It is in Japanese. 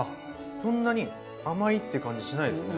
そんなに甘いって感じしないですね。